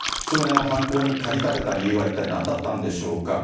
少年を犯行に駆り立てた理由は一体なんだったんでしょうか。